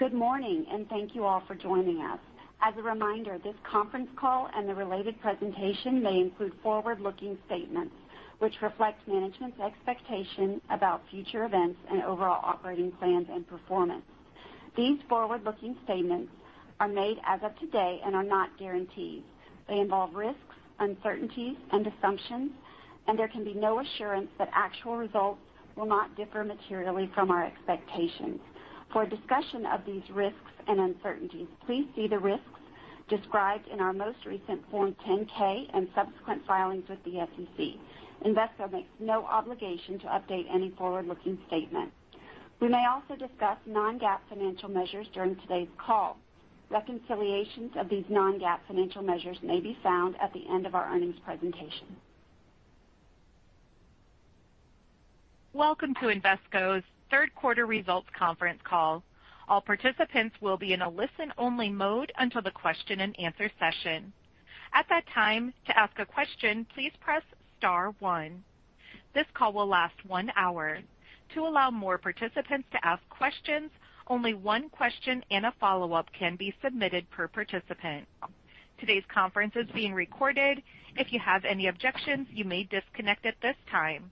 Good morning, and thank you all for joining us. As a reminder, this conference call and the related presentation may include forward-looking statements, which reflect management's expectation about future events and overall operating plans and performance. These forward-looking statements are made as of today and are not guarantees. They involve risks, uncertainties, and assumptions, and there can be no assurance that actual results will not differ materially from our expectations. For a discussion of these risks and uncertainties, please see the risks described in our most recent Form 10-K and subsequent filings with the SEC. Invesco makes no obligation to update any forward-looking statement. We may also discuss non-GAAP financial measures during today's call. Reconciliations of these non-GAAP financial measures may be found at the end of our earnings presentation. Welcome to Invesco's third quarter results conference call. All participants will be in a listen-only mode until the question-and-answer session. At that time, to ask a question, please press star one. This call will last one hour. To allow more participants to ask questions, only one question and a follow-up can be submitted per participant. Today's conference is being recorded. If you have any objections, you may disconnect at this time.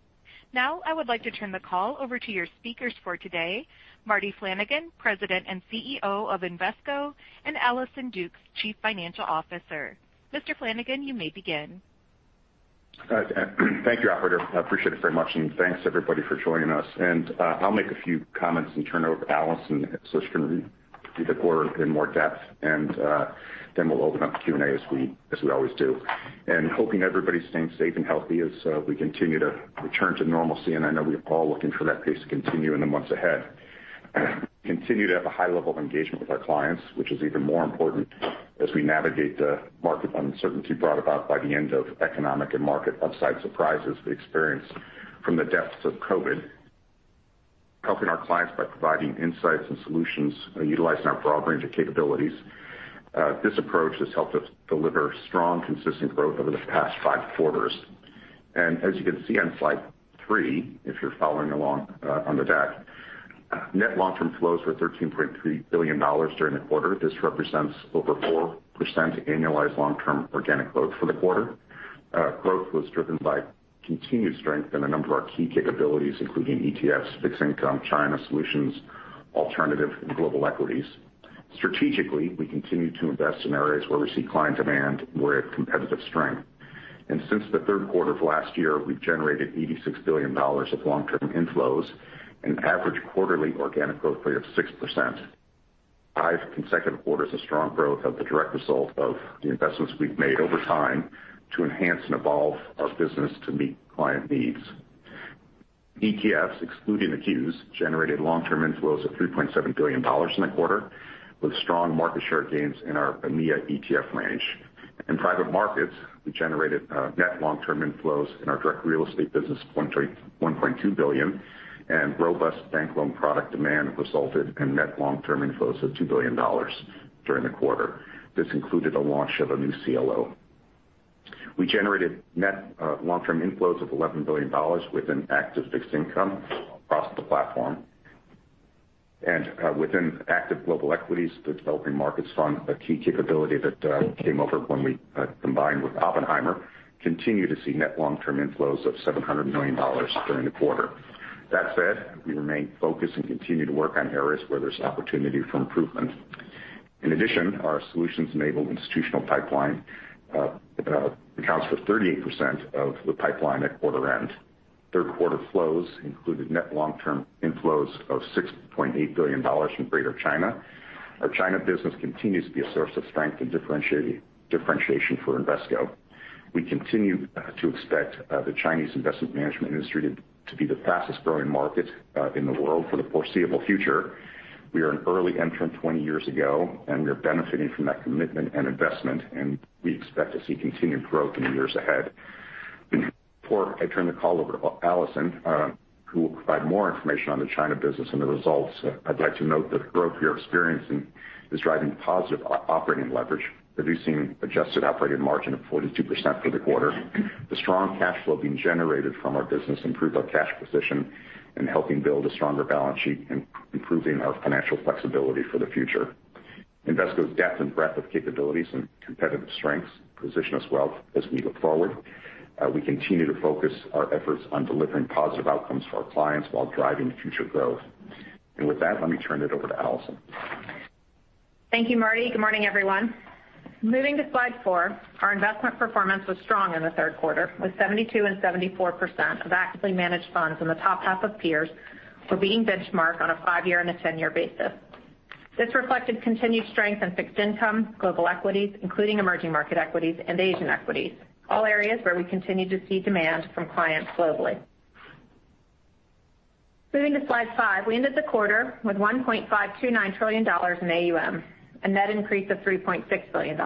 Now, I would like to turn the call over to your speakers for today, Marty Flanagan, President and CEO of Invesco, and Allison Dukes, Chief Financial Officer. Mr. Flanagan, you may begin. Thank you, operator. I appreciate it very much, and thanks everybody for joining us. I'll make a few comments and turn it over to Allison so she can review the quarter in more depth. Then we'll open up the Q&A as we always do. Hoping everybody's staying safe and healthy as we continue to return to normalcy. I know we're all looking for that pace to continue in the months ahead. Continue to have a high level of engagement with our clients, which is even more important as we navigate the market uncertainty brought about by the end of economic and market upside surprises we experienced from the depths of COVID. Helping our clients by providing insights and solutions, utilizing our broad range of capabilities. This approach has helped us deliver strong, consistent growth over the past five quarters. As you can see on slide three, if you're following along on the deck, net long-term flows were $13.3 billion during the quarter. This represents over 4% annualized long-term organic growth for the quarter. Growth was driven by continued strength in a number of our key capabilities, including ETFs, fixed income, China solutions, alternative, and global equities. Strategically, we continue to invest in areas where we see client demand, where competitive strength. Since the third quarter of last year, we've generated $86 billion of long-term inflows and average quarterly organic growth rate of 6%. Five consecutive quarters of strong growth are the direct result of the investments we've made over time to enhance and evolve our business to meet client needs. ETFs, excluding the Qs, generated long-term inflows of $3.7 billion in the quarter, with strong market share gains in our EMEA ETF range. In private markets, we generated net long-term inflows in our direct real estate business, $1.2 billion, and robust bank loan product demand resulted in net long-term inflows of $2 billion during the quarter. This included the launch of a new CLO. We generated net long-term inflows of $11 billion within active fixed income across the platform. Within active global equities, the developing markets fund, a key capability that came over when we combined with Oppenheimer, continue to see net long-term inflows of $700 million during the quarter. That said, we remain focused and continue to work on areas where there's opportunity for improvement. In addition, our solutions-enabled institutional pipeline accounts for 38% of the pipeline at quarter end. Third quarter flows included net long-term inflows of $6.8 billion in Greater China. Our China business continues to be a source of strength and differentiation for Invesco. We continue to expect the Chinese investment management industry to be the fastest-growing market in the world for the foreseeable future. We are an early entrant 20 years ago, and we're benefiting from that commitment and investment, and we expect to see continued growth in the years ahead. Before I turn the call over to Allison, who will provide more information on the China business and the results, I'd like to note that the growth we are experiencing is driving positive operating leverage, producing adjusted operating margin of 42% for the quarter. The strong cash flow being generated from our business improve our cash position in helping build a stronger balance sheet and improving our financial flexibility for the future. Invesco's depth and breadth of capabilities and competitive strengths position us well as we look forward. We continue to focus our efforts on delivering positive outcomes for our clients while driving future growth. With that, let me turn it over to Allison. Thank you, Marty. Good morning, everyone. Moving to slide four, our investment performance was strong in the third quarter, with 72% and 74% of actively managed funds in the top half of peers for being benchmarked on a five-year and a 10-year basis. This reflected continued strength in fixed income, global equities, including emerging market equities and Asian equities, all areas where we continue to see demand from clients globally. Moving to slide five, we ended the quarter with $1.529 trillion in AUM, a net increase of $3.6 billion.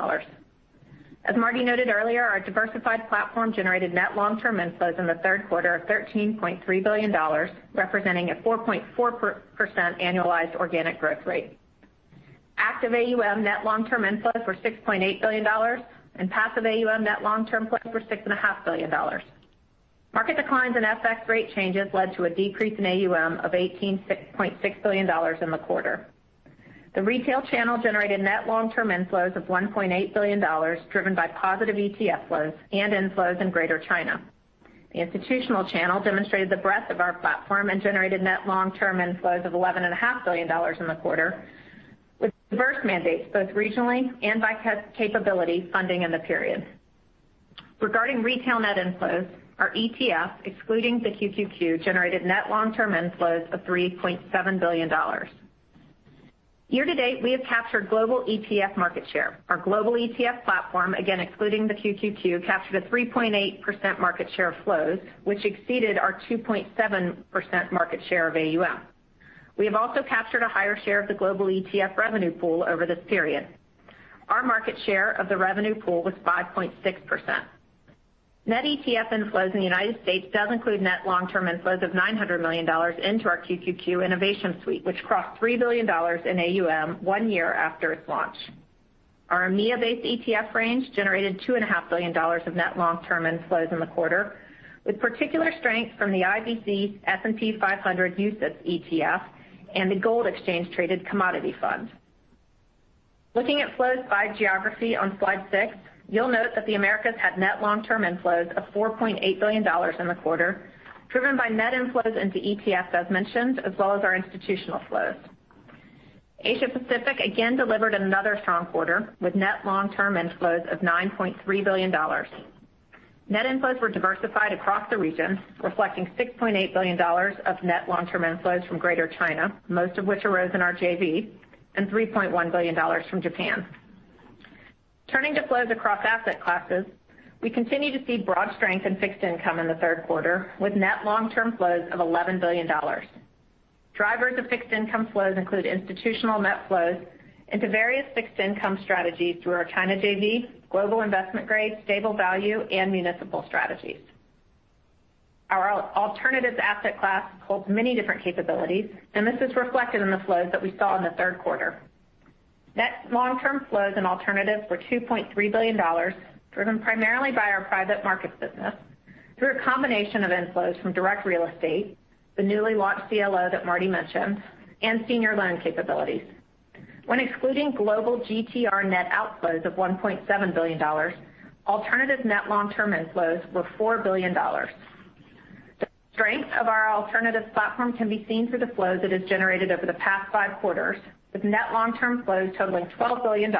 As Marty noted earlier, our diversified platform generated net long-term inflows in the third quarter of $13.3 billion, representing a 4.4% annualized organic growth rate. Active AUM net long-term inflows were $6.8 billion and passive AUM net long-term flows were $6.5 billion. Market declines and FX rate changes led to a decrease in AUM of $18.6 billion in the quarter. The retail channel generated net long-term inflows of $1.8 billion, driven by positive ETF flows and inflows in Greater China. The institutional channel demonstrated the breadth of our platform and generated net long-term inflows of $11.5 billion in the quarter, with diverse mandates, both regionally and by capability funding in the period. Regarding retail net inflows, our ETF, excluding the QQQ, generated net long-term inflows of $3.7 billion. Year-to-date, we have captured global ETF market share. Our global ETF platform, again excluding the QQQ, captured a 3.8% market share of flows, which exceeded our 2.7% market share of AUM. We have also captured a higher share of the global ETF revenue pool over this period. Our market share of the revenue pool was 5.6%. Net ETF inflows in the United States does include net long-term inflows of $900 million into our QQQ Innovation Suite, which crossed $3 billion in AUM one year after its launch. Our EMEA-based ETF range generated $2.5 billion of net long-term inflows in the quarter, with particular strength from the Invesco S&P 500 UCITS ETF and the gold exchange-traded commodity fund. Looking at flows by geography on slide six, you'll note that the Americas had net long-term inflows of $4.8 billion in the quarter, driven by net inflows into ETFs, as mentioned, as well as our institutional flows. Asia-Pacific again delivered another strong quarter, with net long-term inflows of $9.3 billion. Net inflows were diversified across the region, reflecting $6.8 billion of net long-term inflows from Greater China, most of which arose in our JV, and $3.1 billion from Japan. Turning to flows across asset classes, we continue to see broad strength in fixed income in the third quarter, with net long-term flows of $11 billion. Drivers of fixed income flows include institutional net flows into various fixed income strategies through our China JV, global investment grade, stable value, and municipal strategies. Our Alternatives asset class holds many different capabilities, and this is reflected in the flows that we saw in the third quarter. Net long-term flows in Alternatives were $2.3 billion, driven primarily by our private markets business through a combination of inflows from direct real estate, the newly launched CLO that Marty mentioned, and senior loan capabilities. When excluding global GTR net outflows of $1.7 billion, Alternative net long-term inflows were $4 billion. The strength of our Alternatives platform can be seen through the flows it has generated over the past five quarters, with net long-term flows totaling $12 billion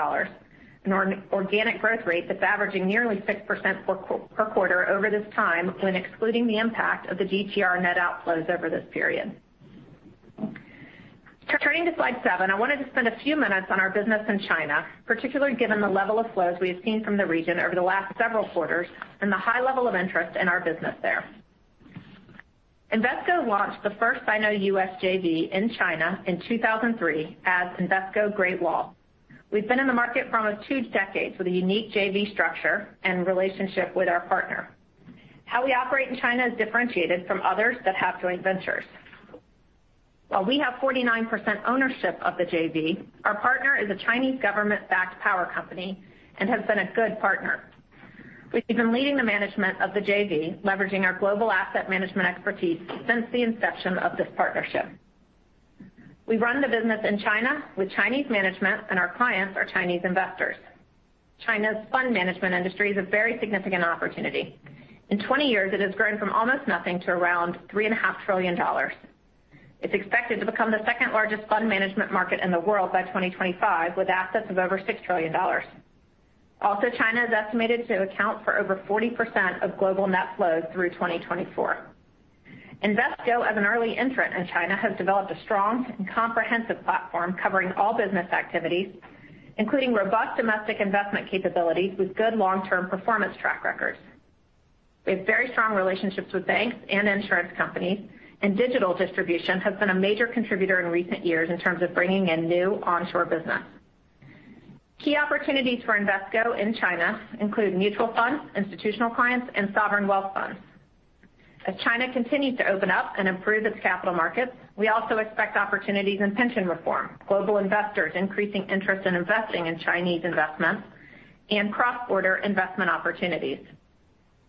and an organic growth rate that's averaging nearly 6% per quarter over this time when excluding the impact of the GTR net outflows over this period. Turning to slide seven, I wanted to spend a few minutes on our business in China, particularly given the level of flows we have seen from the region over the last several quarters and the high level of interest in our business there. Invesco launched the first Sino-US JV in China in 2003 as Invesco Great Wall. We've been in the market for almost two decades with a unique JV structure and relationship with our partner. How we operate in China is differentiated from others that have joint ventures. While we have 49% ownership of the JV, our partner is a Chinese government-backed power company and has been a good partner. We've been leading the management of the JV, leveraging our global asset management expertise since the inception of this partnership. We run the business in China with Chinese management, and our clients are Chinese investors. China's fund management industry is a very significant opportunity. In 20 years, it has grown from almost nothing to around $3.5 trillion. It's expected to become the second-largest fund management market in the world by 2025, with assets of over $6 trillion. Also, China is estimated to account for over 40% of global net flows through 2024. Invesco, as an early entrant in China, has developed a strong and comprehensive platform covering all business activities, including robust domestic investment capabilities with good long-term performance track records. We have very strong relationships with banks and insurance companies, and digital distribution has been a major contributor in recent years in terms of bringing in new onshore business. Key opportunities for Invesco in China include mutual funds, institutional clients, and sovereign wealth funds. As China continues to open up and improve its capital markets, we also expect opportunities in pension reform, global investors increasing interest in investing in Chinese investments, and cross-border investment opportunities.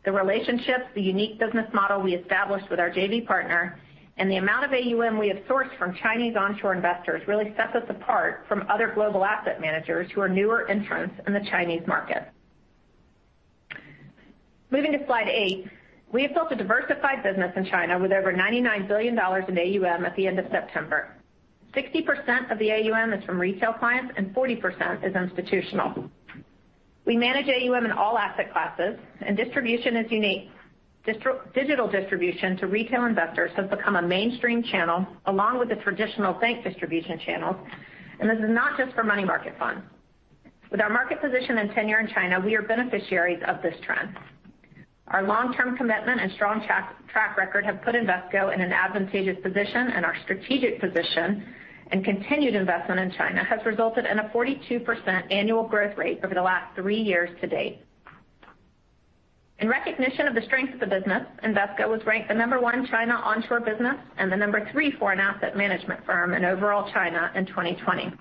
The relationships, the unique business model we established with our JV partner, and the amount of AUM we have sourced from Chinese onshore investors really sets us apart from other global asset managers who are newer entrants in the Chinese market. Moving to slide eight. We have built a diversified business in China with over $99 billion in AUM at the end of September. 60% of the AUM is from retail clients, and 40% is institutional. We manage AUM in all asset classes, and distribution is unique. Direct digital distribution to retail investors has become a mainstream channel, along with the traditional bank distribution channels, and this is not just for money market funds. With our market position and tenure in China, we are beneficiaries of this trend. Our long-term commitment and strong track record have put Invesco in an advantageous position, and our strategic position and continued investment in China has resulted in a 42% annual growth rate over the last three years-to-date. In recognition of the strength of the business, Invesco was ranked the number one China onshore business and the number three foreign asset management firm in overall China in 2020.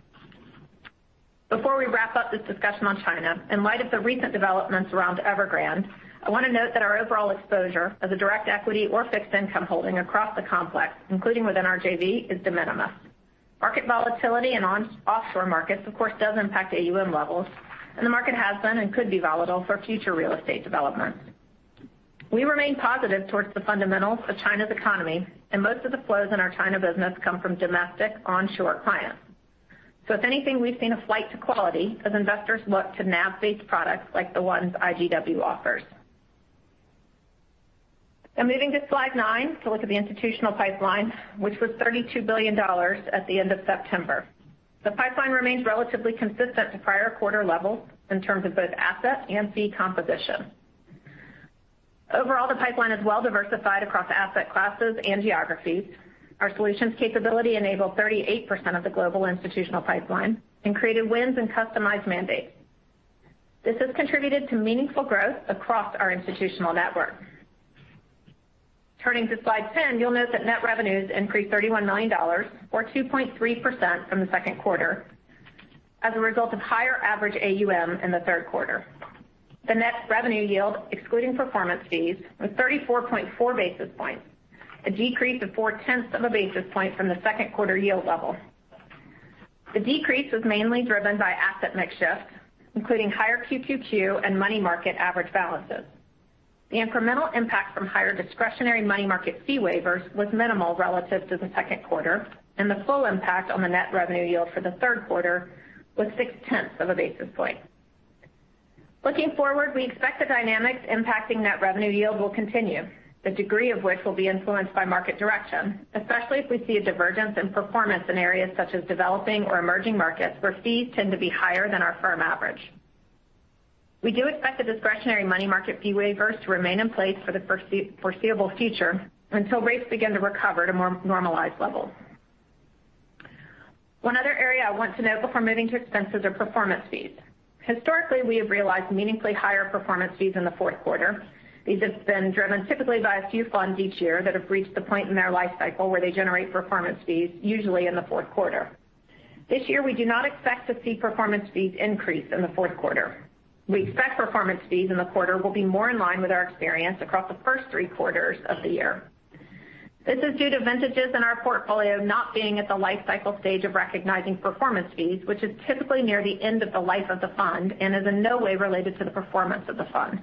Before we wrap up this discussion on China, in light of the recent developments around Evergrande, I wanna note that our overall exposure as a direct equity or fixed income holding across the complex, including within our JV, is de minimis. Market volatility in offshore markets, of course, does impact AUM levels, and the market has been and could be volatile for future real estate developments. We remain positive towards the fundamentals of China's economy, and most of the flows in our China business come from domestic onshore clients. If anything, we've seen a flight to quality as investors look to NAV-based products like the ones IGW offers. Now moving to slide nine to look at the institutional pipeline, which was $32 billion at the end of September. The pipeline remains relatively consistent to prior quarter levels in terms of both asset and fee composition. Overall, the pipeline is well-diversified across asset classes and geographies. Our solutions capability enabled 38% of the global institutional pipeline and created wins and customized mandates. This has contributed to meaningful growth across our institutional network. Turning to slide 10, you'll note that net revenues increased $31 million or 2.3% from the second quarter as a result of higher average AUM in the third quarter. The net revenue yield, excluding performance fees, was 34.4 basis points, a decrease of 0.4 basis point from the second quarter yield level. The decrease was mainly driven by asset mix shifts, including higher QQQ and money market average balances. The incremental impact from higher discretionary money market fee waivers was minimal relative to the second quarter, and the full impact on the net revenue yield for the third quarter was 0.6 basis point. Looking forward, we expect the dynamics impacting net revenue yield will continue, the degree of which will be influenced by market direction, especially if we see a divergence in performance in areas such as developing or emerging markets where fees tend to be higher than our firm average. We do expect the discretionary money market fee waivers to remain in place for the foreseeable future until rates begin to recover to normalized levels. One other area I want to note before moving to expenses are performance fees. Historically, we have realized meaningfully higher performance fees in the fourth quarter. These have been driven typically by a few funds each year that have reached the point in their life cycle where they generate performance fees, usually in the fourth quarter. This year, we do not expect to see performance fees increase in the fourth quarter. We expect performance fees in the quarter will be more in line with our experience across the first three quarters of the year. This is due to vintages in our portfolio not being at the life cycle stage of recognizing performance fees, which is typically near the end of the life of the fund and is in no way related to the performance of the fund.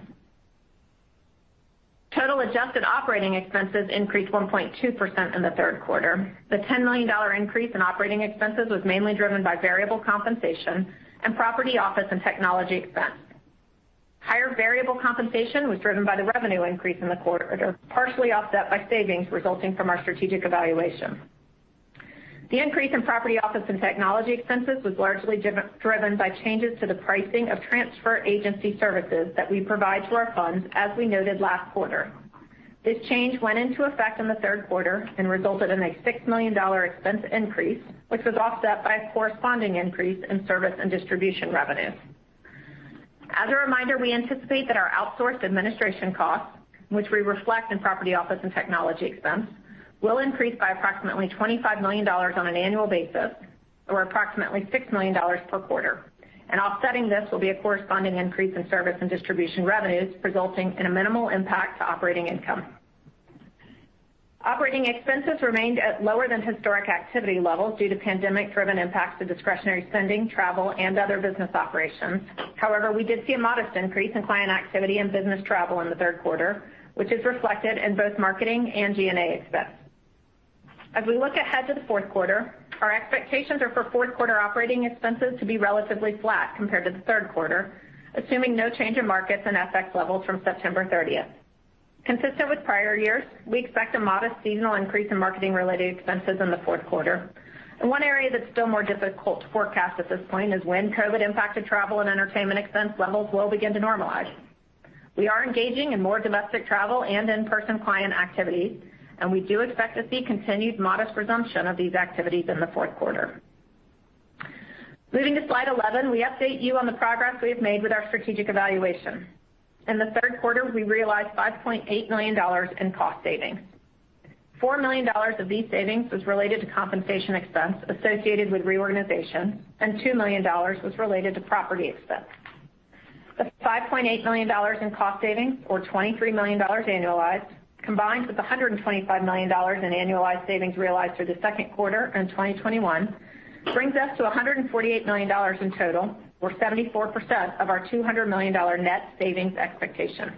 Total adjusted operating expenses increased 1.2% in the third quarter. The $10 million increase in operating expenses was mainly driven by variable compensation and property office and technology expense. Higher variable compensation was driven by the revenue increase in the quarter, partially offset by savings resulting from our strategic evaluation. The increase in property office and technology expenses was largely driven by changes to the pricing of transfer agency services that we provide to our funds as we noted last quarter. This change went into effect in the third quarter and resulted in a $6 million expense increase, which was offset by a corresponding increase in service and distribution revenue. As a reminder, we anticipate that our outsourced administration costs, which we reflect in property office and technology expense, will increase by approximately $25 million on an annual basis, or approximately $6 million per quarter. Offsetting this will be a corresponding increase in service and distribution revenues, resulting in a minimal impact to operating income. Operating expenses remained at lower than historic activity levels due to pandemic-driven impacts to discretionary spending, travel, and other business operations. However, we did see a modest increase in client activity and business travel in the third quarter, which is reflected in both marketing and G&A expense. As we look ahead to the fourth quarter, our expectations are for fourth quarter operating expenses to be relatively flat compared to the third quarter, assuming no change in markets and FX levels from September 30th. Consistent with prior years, we expect a modest seasonal increase in marketing-related expenses in the fourth quarter, and one area that's still more difficult to forecast at this point is when COVID impacted travel and entertainment expense levels will begin to normalize. We are engaging in more domestic travel and in-person client activities, and we do expect to see continued modest resumption of these activities in the fourth quarter. Moving to slide 11, we update you on the progress we have made with our strategic evaluation. In the third quarter, we realized $5.8 million in cost savings. $4 million of these savings was related to compensation expense associated with reorganization, and $2 million was related to property expense. The $5.8 million in cost savings, or $23 million annualized, combined with the $125 million in annualized savings realized through the second quarter in 2021, brings us to $148 million in total or 74% of our $200 million net savings expectation.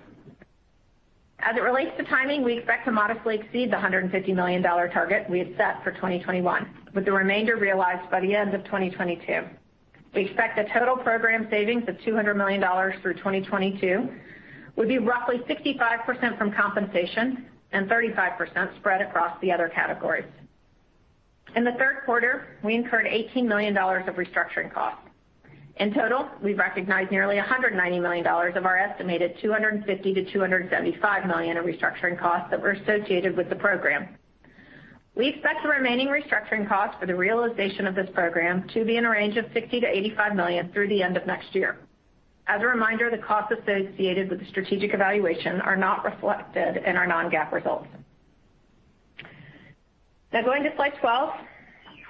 As it relates to timing, we expect to modestly exceed the $150 million target we had set for 2021, with the remainder realized by the end of 2022. We expect the total program savings of $200 million through 2022 will be roughly 65% from compensation and 35% spread across the other categories. In the third quarter, we incurred $18 million of restructuring costs. In total, we've recognized nearly $190 million of our estimated $250 million-$275 million in restructuring costs that were associated with the program. We expect the remaining restructuring costs for the realization of this program to be in a range of $60 million-$85 million through the end of next year. As a reminder, the costs associated with the strategic evaluation are not reflected in our non-GAAP results. Now, going to slide 12,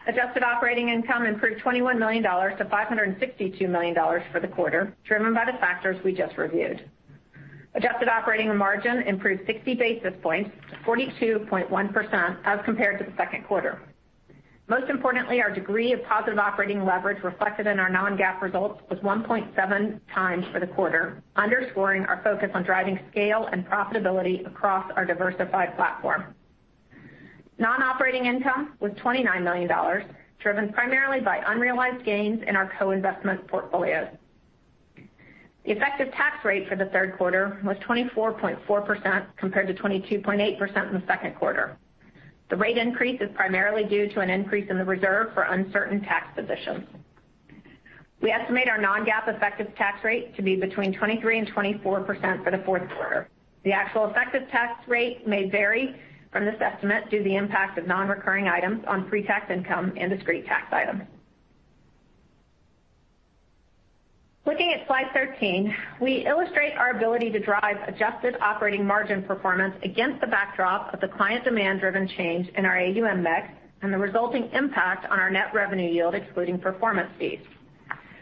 adjusted operating income improved $21 million to $562 million for the quarter, driven by the factors we just reviewed. Adjusted operating margin improved 60 basis points to 42.1% as compared to the second quarter. Most importantly, our degree of positive operating leverage reflected in our non-GAAP results was 1.7x for the quarter, underscoring our focus on driving scale and profitability across our diversified platform. Non-operating income was $29 million, driven primarily by unrealized gains in our co-investment portfolios. The effective tax rate for the third quarter was 24.4%, compared to 22.8% in the second quarter. The rate increase is primarily due to an increase in the reserve for uncertain tax positions. We estimate our non-GAAP effective tax rate to be between 23% and 24% for the fourth quarter. The actual effective tax rate may vary from this estimate due to the impact of non-recurring items on pre-tax income and discrete tax items. Looking at slide 13, we illustrate our ability to drive adjusted operating margin performance against the backdrop of the client demand-driven change in our AUM mix and the resulting impact on our net revenue yield excluding performance fees.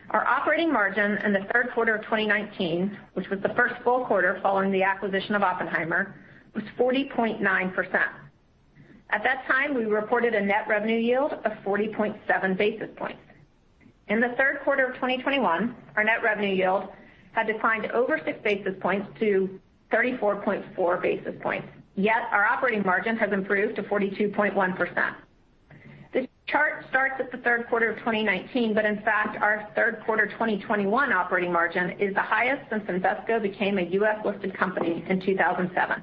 Our operating margin in the third quarter of 2019, which was the first full quarter following the acquisition of Oppenheimer, was 40.9%. At that time, we reported a net revenue yield of 40.7 basis points. In the third quarter of 2021, our net revenue yield had declined over 6 basis points to 34.4 basis points, yet our operating margin has improved to 42.1%. This chart starts at the third quarter of 2019, but in fact, our third quarter 2021 operating margin is the highest since Invesco became a U.S.-listed company in 2007.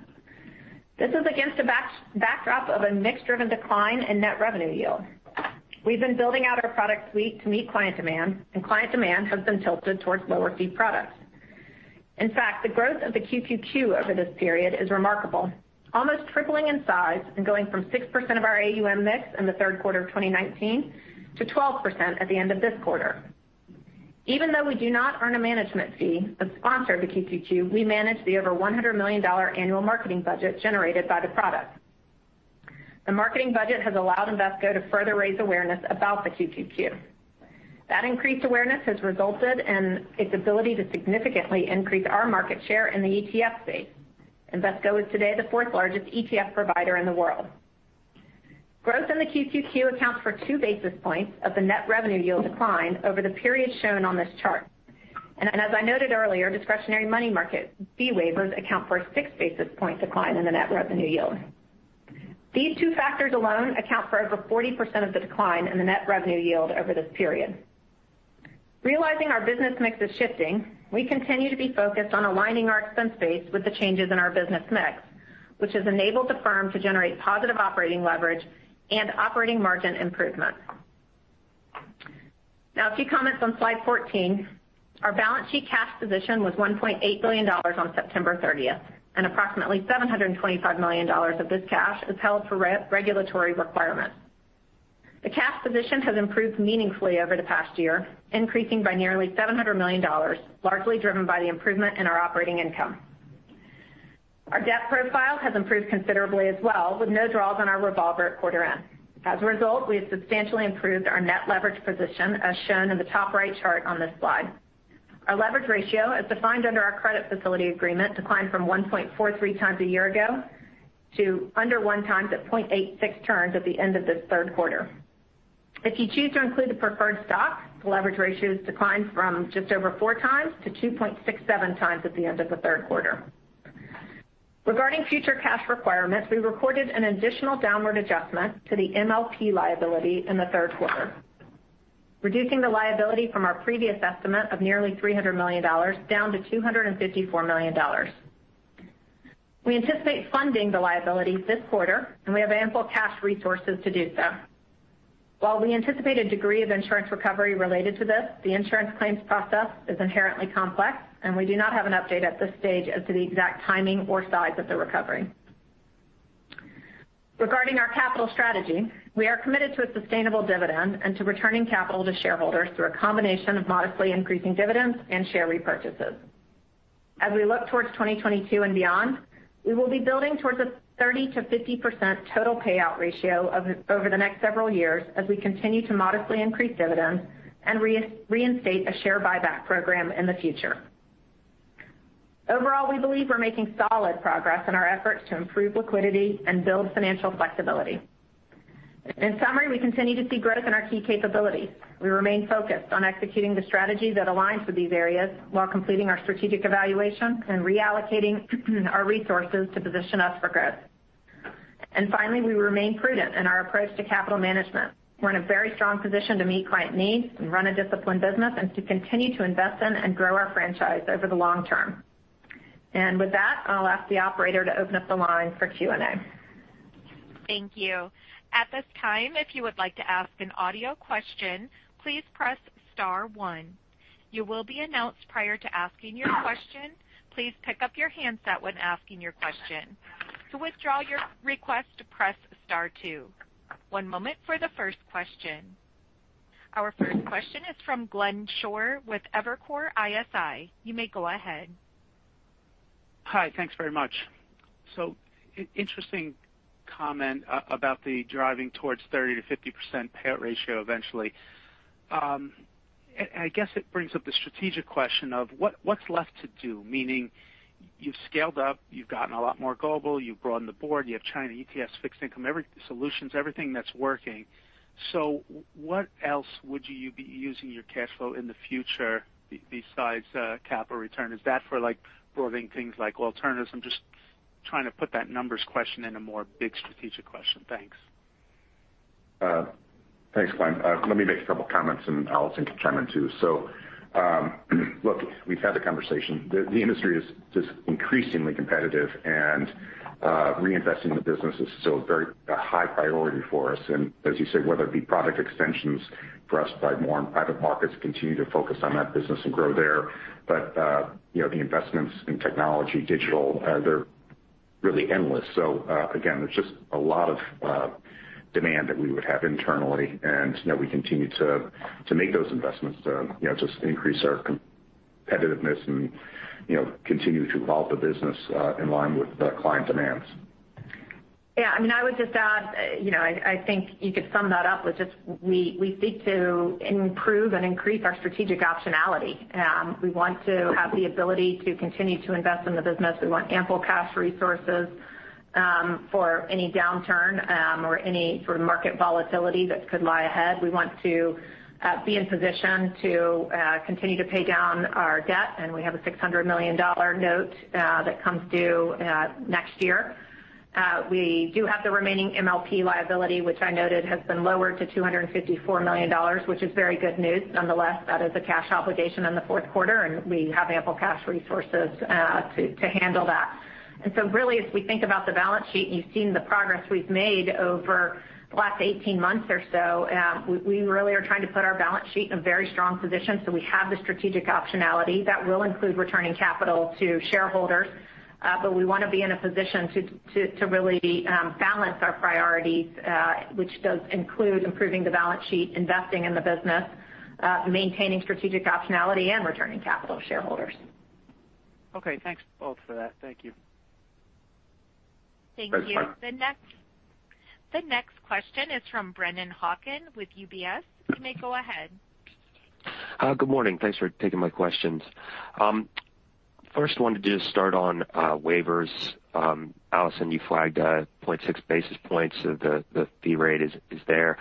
This is against a backdrop of a mix-driven decline in net revenue yield. We've been building out our product suite to meet client demand, and client demand has been tilted towards lower-fee products. In fact, the growth of the QQQ over this period is remarkable, almost tripling in size and going from 6% of our AUM mix in the third quarter of 2019 to 12% at the end of this quarter. Even though we do not earn a management fee but sponsor the QQQ, we manage the over $100 million annual marketing budget generated by the product. The marketing budget has allowed Invesco to further raise awareness about the QQQ. That increased awareness has resulted in its ability to significantly increase our market share in the ETF space. Invesco is today the fourth-largest ETF provider in the world. Growth in the QQQ accounts for 2 basis points of the net revenue yield decline over the period shown on this chart. As I noted earlier, discretionary money market fee waivers account for a 6 basis points decline in the net revenue yield. These two factors alone account for over 40% of the decline in the net revenue yield over this period. Realizing our business mix is shifting, we continue to be focused on aligning our expense base with the changes in our business mix, which has enabled the firm to generate positive operating leverage and operating margin improvements. Now a few comments on slide 14. Our balance sheet cash position was $1.8 billion on September 30th, and approximately $725 million of this cash is held for regulatory requirements. The cash position has improved meaningfully over the past year, increasing by nearly $700 million, largely driven by the improvement in our operating income. Our debt profile has improved considerably as well, with no draws on our revolver at quarter end. As a result, we have substantially improved our net leverage position, as shown in the top right chart on this slide. Our leverage ratio, as defined under our credit facility agreement, declined from 1.43x a year ago to under 1x to 0.86x at the end of this third quarter. If you choose to include the preferred stock, the leverage ratio has declined from just over 4x to 2.67x at the end of the third quarter. Regarding future cash requirements, we recorded an additional downward adjustment to the MLP liability in the third quarter, reducing the liability from our previous estimate of nearly $300 million down to $254 million. We anticipate funding the liabilities this quarter, and we have ample cash resources to do so. While we anticipate a degree of insurance recovery related to this, the insurance claims process is inherently complex, and we do not have an update at this stage as to the exact timing or size of the recovery. Regarding our capital strategy, we are committed to a sustainable dividend and to returning capital to shareholders through a combination of modestly increasing dividends and share repurchases. As we look towards 2022 and beyond, we will be building towards a 30%-50% total payout ratio over the next several years as we continue to modestly increase dividends and reinstate a share buyback program in the future. Overall, we believe we're making solid progress in our efforts to improve liquidity and build financial flexibility. In summary, we continue to see growth in our key capabilities. We remain focused on executing the strategy that aligns with these areas while completing our strategic evaluation and reallocating our resources to position us for growth. Finally, we remain prudent in our approach to capital management. We're in a very strong position to meet client needs and run a disciplined business and to continue to invest in and grow our franchise over the long term. With that, I'll ask the operator to open up the line for Q&A. Thank you. At this time if you would like to ask an audio question please press star one. You will be announced prior to asking your question. Please pick up your handset when asking your question. To withdraw your request press star two. One moment for the first question. Our first question is from Glenn Schorr with Evercore ISI. You may go ahead. Hi. Thanks very much. Interesting comment about the driving towards 30%-50% payout ratio eventually. I guess it brings up the strategic question of what's left to do, meaning you've scaled up, you've gotten a lot more global, you've broadened the board, you have China ETFs, fixed income, solutions, everything that's working. What else would you be using your cash flow in the future besides capital return? Is that for, like, broadening things like alternatives? I'm just trying to put that numbers question in a bigger strategic question. Thanks. Thanks, Glenn. Let me make a couple comments, and Allison can chime in, too. Look, we've had the conversation. The industry is just increasingly competitive, and reinvesting the business is still a very high priority for us. As you say, whether it be product extensions for us by more private markets, continue to focus on that business and grow there. You know, the investments in technology, digital, they're really endless. Again, there's just a lot of demand that we would have internally. You know, we continue to make those investments to just increase our competitiveness and continue to evolve the business in line with the client demands. Yeah, I mean, I would just add, you know, I think you could sum that up with just we seek to improve and increase our strategic optionality. We want to have the ability to continue to invest in the business. We want ample cash resources for any downturn or any sort of market volatility that could lie ahead. We want to be in position to continue to pay down our debt, and we have a $600 million note that comes due next year. We do have the remaining MLP liability, which I noted has been lowered to $254 million, which is very good news. Nonetheless, that is a cash obligation in the fourth quarter, and we have ample cash resources to handle that. Really, as we think about the balance sheet, and you've seen the progress we've made over the last 18 months or so, we really are trying to put our balance sheet in a very strong position so we have the strategic optionality that will include returning capital to shareholders. But we want to be in a position to really balance our priorities, which does include improving the balance sheet, investing in the business, maintaining strategic optionality, and returning capital to shareholders. Okay. Thanks both for that. Thank you. Thank you. Thanks, Glenn. The next question is from Brennan Hawken with UBS. You may go ahead. Good morning. Thanks for taking my questions. First wanted to just start on waivers. Allison, you flagged 0.6 basis points. The fee rate is there.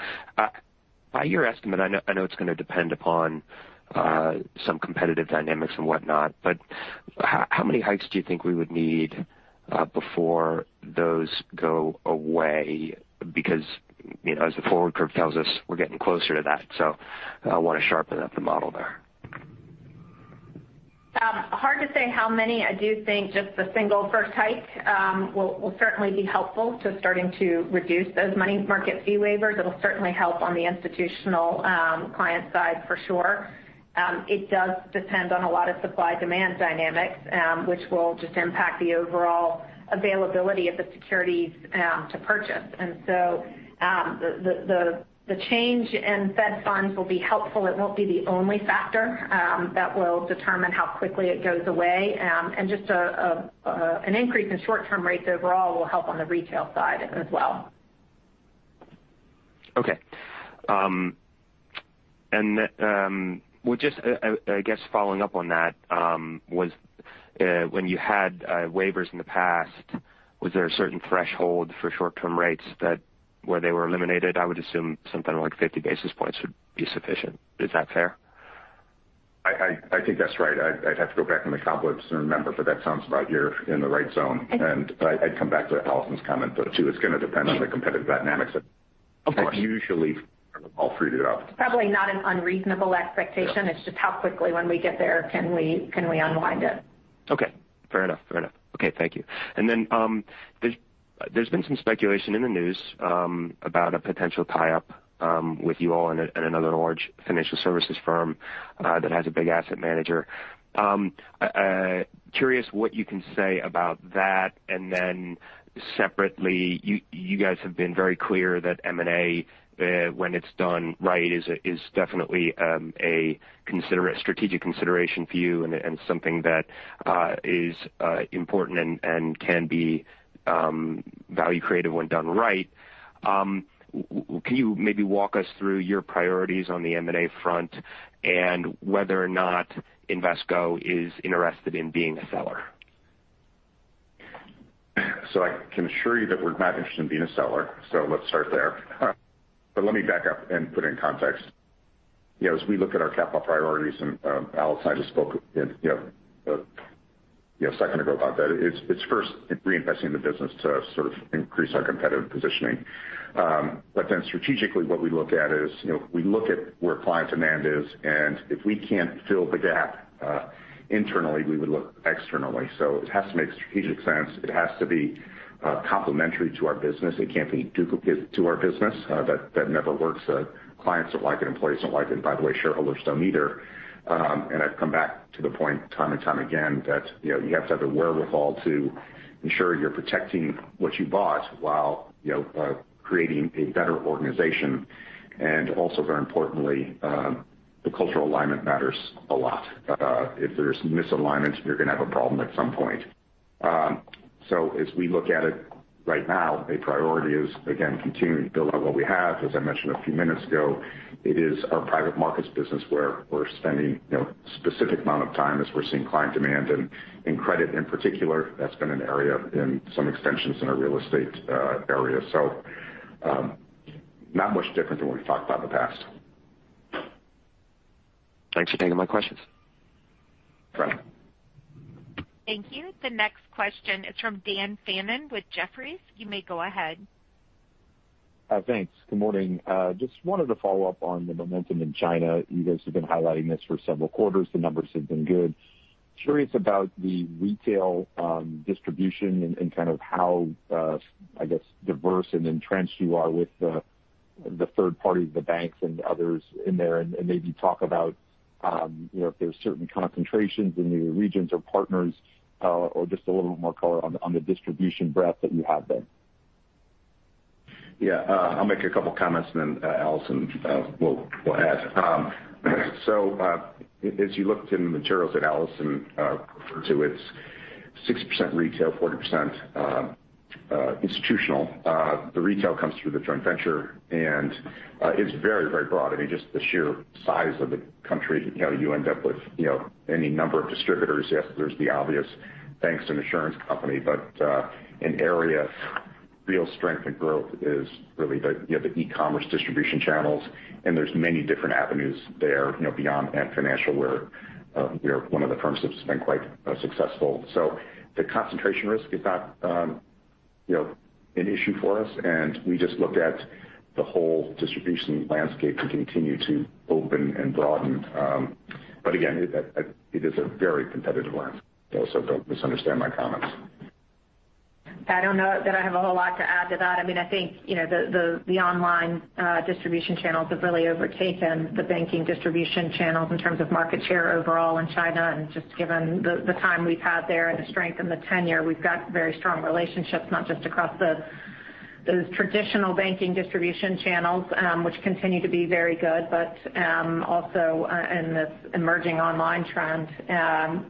By your estimate, I know it's gonna depend upon some competitive dynamics and whatnot, but how many hikes do you think we would need before those go away? Because, you know, as the forward curve tells us, we're getting closer to that, so I want to sharpen up the model there. Hard to say how many. I do think just the single first hike will certainly be helpful to starting to reduce those money market fee waivers. It'll certainly help on the institutional client side for sure. It does depend on a lot of supply demand dynamics, which will just impact the overall availability of the securities to purchase. The change in Fed funds will be helpful. It won't be the only factor that will determine how quickly it goes away. Just an increase in short-term rates overall will help on the retail side as well. Okay. Well, just, I guess following up on that, when you had waivers in the past, was there a certain threshold for short-term rates at which they were eliminated? I would assume something like 50 basis points would be sufficient. Is that fair? I think that's right. I'd have to go back in the comps and remember, but that sounds about right. You're in the right zone. I'd come back to Allison's comment, though, too. It's gonna depend on the competitive dynamics that. Okay. That usually all freed it up. It's probably not an unreasonable expectation. It's just how quickly, when we get there, can we unwind it? Okay. Fair enough. Okay. Thank you. There's been some speculation in the news about a potential tie-up with you all and another large financial services firm that has a big asset manager. Curious what you can say about that. Separately, you guys have been very clear that M&A, when it's done right, is definitely a strategic consideration for you and something that is important and can be value creative when done right. Can you maybe walk us through your priorities on the M&A front and whether or not Invesco is interested in being a seller? I can assure you that we're not interested in being a seller, so let's start there. Let me back up and put it in context. You know, as we look at our capital priorities, and Allison and I just spoke, you know, a second ago about that. It's first reinvesting the business to sort of increase our competitive positioning. Then strategically what we look at is, you know, we look at where client demand is, and if we can't fill the gap internally, we would look externally. It has to make strategic sense. It has to be complementary to our business. It can't be duplicative to our business. That never works. Clients don't like it, employees don't like it. By the way, shareholders don't either. I've come back to the point time and time again that, you know, you have to have the wherewithal to ensure you're protecting what you bought while, you know, creating a better organization. Also very importantly, the cultural alignment matters a lot. If there's misalignment, you're gonna have a problem at some point. As we look at it right now, a priority is, again, continuing to build on what we have. As I mentioned a few minutes ago, it is our private markets business where we're spending, you know, specific amount of time as we're seeing client demand. In credit, in particular, that's been an area in some extensions in our real estate area. Not much different than what we've talked about in the past. Thanks for taking my questions. Sure. Thank you. The next question is from Dan Fannon with Jefferies. You may go ahead. Thanks. Good morning. Just wanted to follow up on the momentum in China. You guys have been highlighting this for several quarters. The numbers have been good. Curious about the retail distribution and kind of how I guess diverse and entrenched you are with the third party, the banks and others in there. Maybe talk about you know if there's certain concentrations in the regions or partners or just a little bit more color on the distribution breadth that you have there. Yeah. I'll make a couple comments and then Allison will add. As you looked in the materials that Allison referred to, it's 60% retail, 40% institutional. The retail comes through the joint venture, and it's very broad. I mean, just the sheer size of the country, you know, you end up with, you know, any number of distributors. Yes, there's the obvious banks and insurance company, but an area of real strength and growth is really the, you know, the e-commerce distribution channels. There's many different avenues there, you know, beyond Ant Financial, where we are one of the firms that's been quite successful. The concentration risk is not, you know, an issue for us. We just look at the whole distribution landscape to continue to open and broaden. Again, it is a very competitive landscape. Don't misunderstand my comments. I don't know that I have a whole lot to add to that. I mean, I think, you know, the online distribution channels have really overtaken the banking distribution channels in terms of market share overall in China. Just given the time we've had there and the strength and the tenure, we've got very strong relationships, not just across the traditional banking distribution channels, which continue to be very good, but also in this emerging online trend.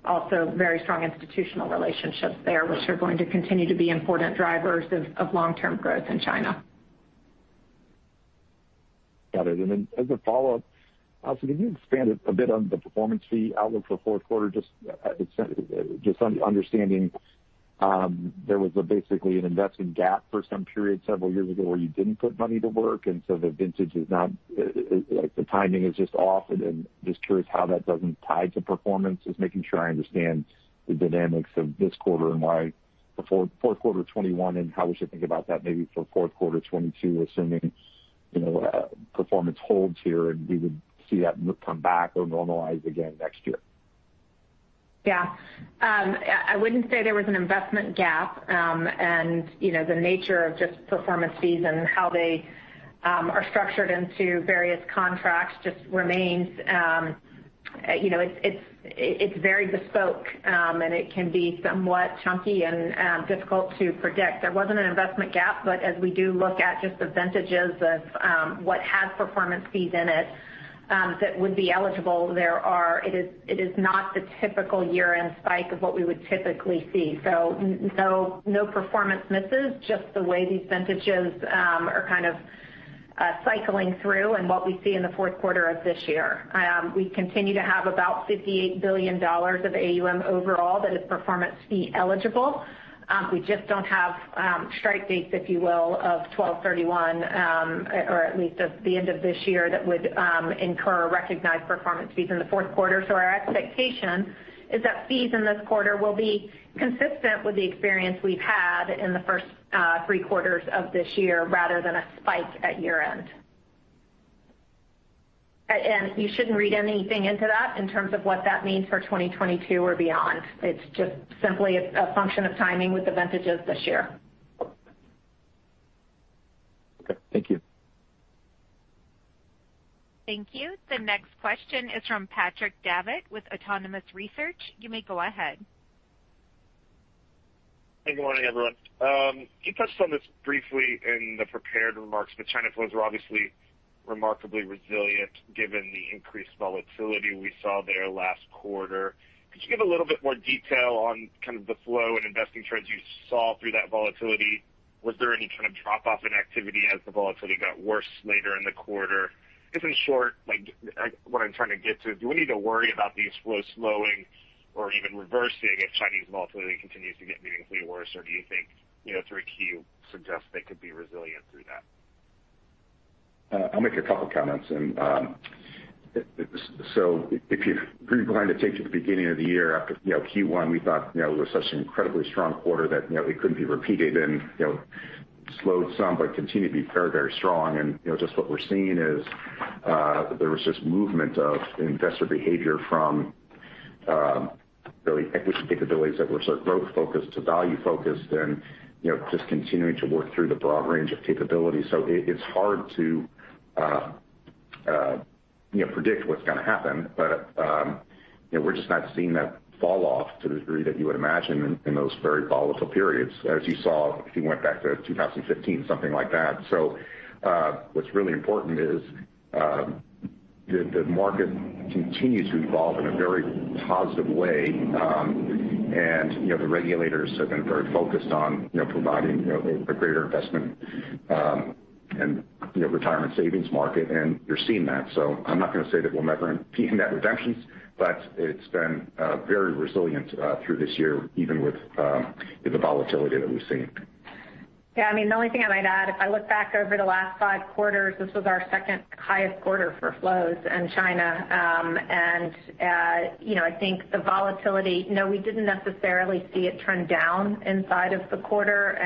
Also very strong institutional relationships there, which are going to continue to be important drivers of long-term growth in China. Got it. As a follow-up, Allison, can you expand a bit on the performance fee outlook for fourth quarter? Just understanding there was basically an investment gap for some period several years ago where you didn't put money to work, and so the vintage is not like the timing is just off. Just curious how that doesn't tie to performance. Just making sure I understand the dynamics of this quarter and why the fourth quarter 2021 and how we should think about that maybe for fourth quarter 2022, assuming you know performance holds here, and we would see that come back or normalize again next year. Yeah. I wouldn't say there was an investment gap. You know, the nature of just performance fees and how they are structured into various contracts just remains, you know, it's very bespoke, and it can be somewhat chunky and difficult to predict. There wasn't an investment gap, but as we do look at just the vintages of what has performance fees in it that would be eligible, it is not the typical year-end spike of what we would typically see. No performance misses, just the way these vintages are kind of cycling through and what we see in the fourth quarter of this year. We continue to have about $58 billion of AUM overall that is performance fee eligible. We just don't have strike dates, if you will, of 12/31/2021 or at least at the end of this year that would incur or recognize performance fees in the fourth quarter. Our expectation is that fees in this quarter will be consistent with the experience we've had in the first three quarters of this year rather than a spike at year-end. You shouldn't read anything into that in terms of what that means for 2022 or beyond. It's just simply a function of timing with the vintages this year. Okay. Thank you. Thank you. The next question is from Patrick Davitt with Autonomous Research. You may go ahead. Good morning, everyone. You touched on this briefly in the prepared remarks, but China flows were obviously remarkably resilient given the increased volatility we saw there last quarter. Could you give a little bit more detail on kind of the flow and investing trends you saw through that volatility? Was there any kind of drop-off in activity as the volatility got worse later in the quarter? I guess, in short, like, what I'm trying to get to, do we need to worry about these flows slowing or even reversing if Chinese volatility continues to get meaningfully worse? Or do you think, you know, 3Q suggests they could be resilient through that? I'll make a couple comments. If you rewind the tape to the beginning of the year after, you know, Q1, we thought, you know, it was such an incredibly strong quarter that, you know, it couldn't be repeated and, you know, slowed some but continued to be very, very strong. Just what we're seeing is there was this movement of investor behavior from really equity capabilities that were sort of growth focused to value focused and, you know, just continuing to work through the broad range of capabilities. It's hard to, you know, predict what's gonna happen. We're just not seeing that fall off to the degree that you would imagine in those very volatile periods, as you saw if you went back to 2015, something like that. What's really important is the market continues to evolve in a very positive way. You know, the regulators have been very focused on you know providing you know a greater investment and you know retirement savings market, and you're seeing that. I'm not going to say that we'll never see net redemptions, but it's been very resilient through this year, even with the volatility that we've seen. Yeah, I mean, the only thing I might add, if I look back over the last five quarters, this was our second-highest quarter for flows in China. You know, I think the volatility, you know, we didn't necessarily see it turn down inside of the quarter.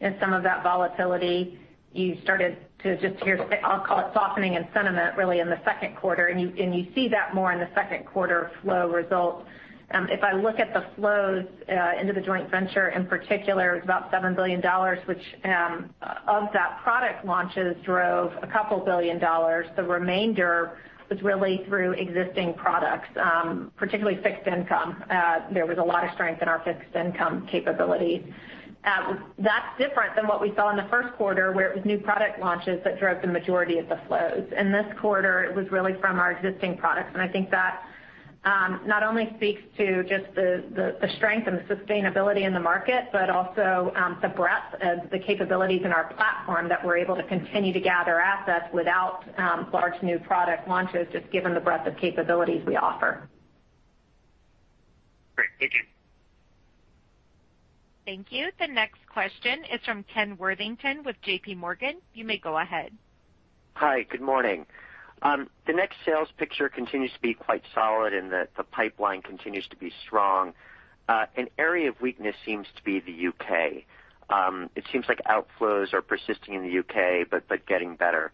In some of that volatility, you started to just hear, I'll call it softening in sentiment really in the second quarter. You see that more in the second quarter flow results. If I look at the flows into the joint venture in particular, it was about $7 billion, which of that product launches drove $2 billion. The remainder was really through existing products, particularly fixed income. There was a lot of strength in our fixed income capability. That's different than what we saw in the first quarter, where it was new product launches that drove the majority of the flows. In this quarter, it was really from our existing products. I think that, not only speaks to just the strength and the sustainability in the market, but also, the breadth of the capabilities in our platform that we're able to continue to gather assets without large new product launches, just given the breadth of capabilities we offer. Great. Thank you. Thank you. The next question is from Ken Worthington with JPMorgan. You may go ahead. Hi. Good morning. The next sales picture continues to be quite solid, and the pipeline continues to be strong. An area of weakness seems to be the U.K. It seems like outflows are persisting in the U.K., but getting better.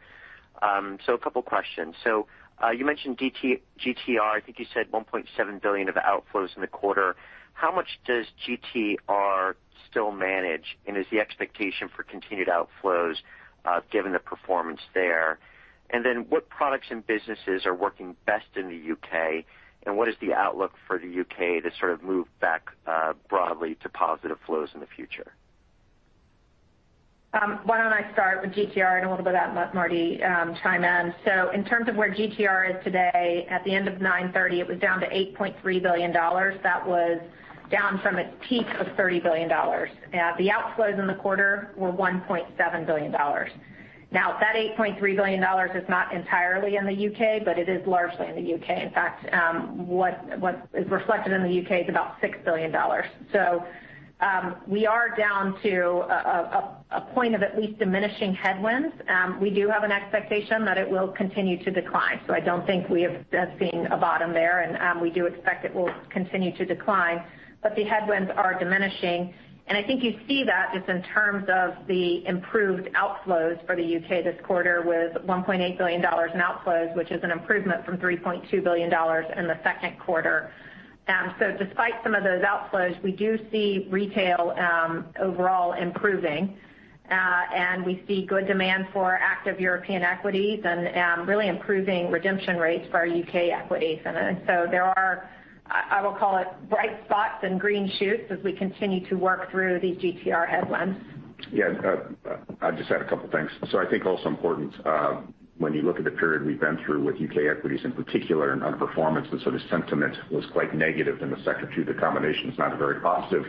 A couple questions. You mentioned the GTR. I think you said $1.7 billion of outflows in the quarter. How much does GTR still manage? And is the expectation for continued outflows, given the performance there? And then what products and businesses are working best in the U.K.? And what is the outlook for the U.K. to sort of move back, broadly to positive flows in the future? Why don't I start with GTR and a little bit about Marty, chime in. In terms of where GTR is today, at the end of 9/30/2021, it was down to $8.3 billion. That was down from a peak of $30 billion. The outflows in the quarter were $1.7 billion. Now, that $8.3 billion is not entirely in the U.K., but it is largely in the U.K. In fact, what is reflected in the U.K. is about $6 billion. We are down to a point of at least diminishing headwinds. We do have an expectation that it will continue to decline. I don't think we have seen a bottom there. We do expect it will continue to decline, but the headwinds are diminishing. I think you see that just in terms of the improved outflows for the U.K. this quarter with $1.8 billion in outflows, which is an improvement from $3.2 billion in the second quarter. Despite some of those outflows, we do see retail overall improving. We see good demand for active European equities and really improving redemption rates for our U.K. equities. There are, I will call it bright spots and green shoots as we continue to work through these GTR headwinds. Yeah. I'll just add a couple things. I think also important when you look at the period we've been through with U.K. equities in particular and underperformance and so the sentiment was quite negative in the sector too. The combination is not very positive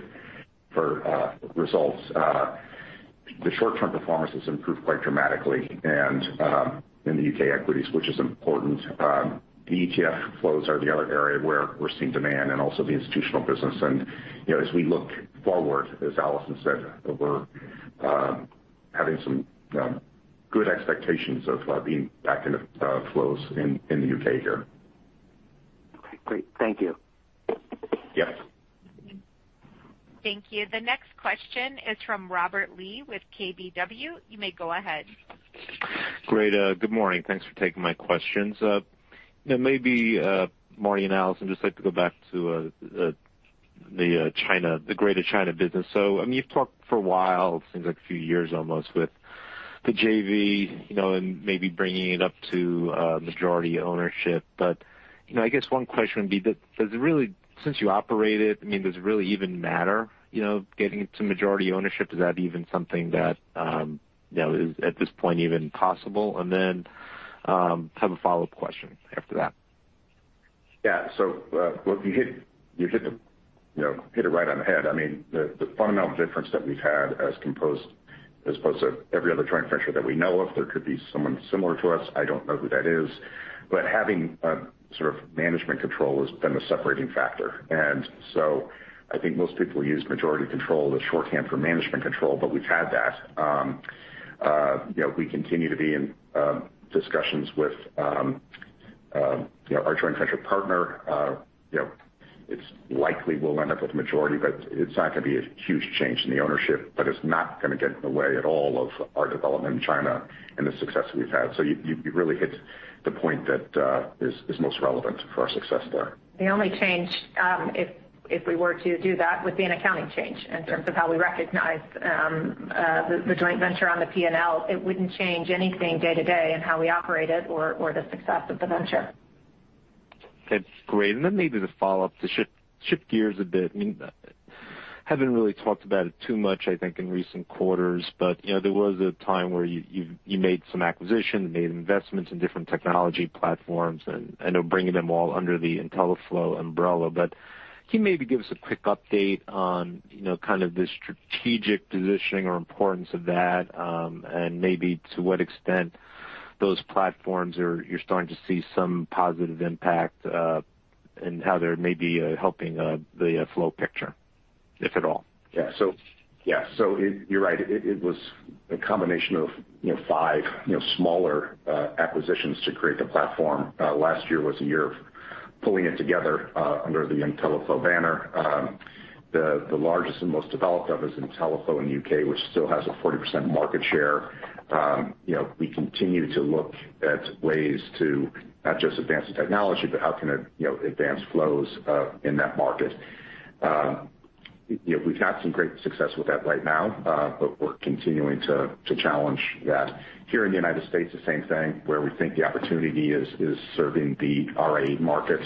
for results. The short-term performance has improved quite dramatically and in the U.K. equities, which is important. The ETF flows are the other area where we're seeing demand and also the institutional business. You know, as we look forward, as Allison said, we're having some good expectations of being back in the flows in the U.K. here. Okay, great. Thank you. Yeah. Thank you. The next question is from Robert Lee with KBW. You may go ahead. Great. Good morning. Thanks for taking my questions. You know, maybe Marty and Allison, just like to go back to the China, the Greater China business. I mean, you've talked for a while, it seems like a few years almost, with the JV, you know, and maybe bringing it up to majority ownership. You know, I guess one question would be, does it really matter, since you operate it? I mean, does it really even matter, you know, getting to majority ownership? Is that even something that, you know, is at this point even possible? Then, I have a follow-up question after that. Yeah. Look, you hit it right on the head. I mean, the fundamental difference that we've had as opposed to every other joint venture that we know of, there could be someone similar to us. I don't know who that is, but having a sort of management control has been the separating factor. I think most people use majority control as shorthand for management control, but we've had that. You know, we continue to be in discussions with you know, our joint venture partner. You know, it's likely we'll end up with majority, but it's not going to be a huge change in the ownership, but it's not going to get in the way at all of our development in China and the success we've had. You really hit the point that is most relevant for our success there. The only change, if we were to do that, would be an accounting change in terms of how we recognize the joint venture on the P&L. It wouldn't change anything day-to-day in how we operate it or the success of the venture. Okay, great. Maybe to follow up, to shift gears a bit. I mean, haven't really talked about it too much, I think, in recent quarters, but you know, there was a time where you made some acquisitions and made investments in different technology platforms and I know bringing them all under the intelliflo umbrella. Can you maybe give us a quick update on you know, kind of the strategic positioning or importance of that, and maybe to what extent those platforms you're starting to see some positive impact, and how they may be helping the flow picture, if at all. You're right. It was a combination of you know five you know smaller acquisitions to create the platform. Last year was a year of pulling it together under the intelliflo banner. The largest and most developed of which is intelliflo in the U.K., which still has a 40% market share. You know we continue to look at ways to not just advance the technology, but how can it you know advance flows in that market. You know we've had some great success with that right now, but we're continuing to challenge that. Here in the United States the same thing where we think the opportunity is is serving the RIA market.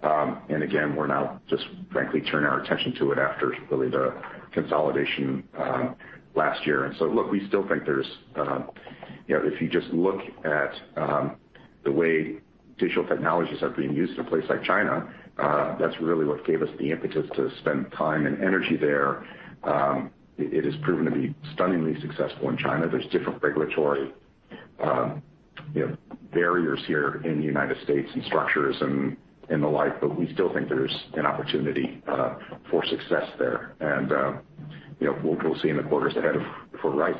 Again we're now just frankly turning our attention to it after really the consolidation last year. Look, we still think there's, you know, if you just look at the way digital technologies are being used in a place like China, that's really what gave us the impetus to spend time and energy there. It has proven to be stunningly successful in China. There's different regulatory, you know, barriers here in the United States and structures and the like, but we still think there's an opportunity for success there. You know, we'll see in the quarters ahead if we're right.